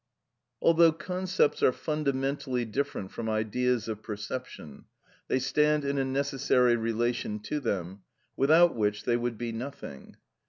Although concepts are fundamentally different from ideas of perception, they stand in a necessary relation to them, without which they would be nothing.